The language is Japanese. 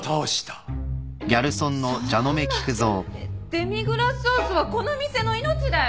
デミグラスソースはこの店の命だよ！？